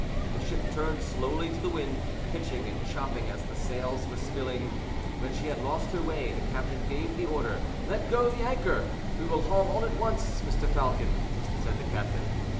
The ship turned slowly to the wind, pitching and chopping as the sails were spilling. When she had lost her way, the captain gave the order, "Let go the anchor. We will haul all at once, Mr. Falcon," said the captain.